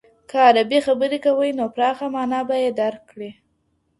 که عربي خبري کوئ نو پراخه مانا به يې درک کړئ.